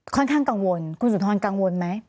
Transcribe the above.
ข้างกังวลคุณสุนทรกังวลไหม